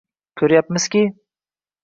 Ko‘ryapmizki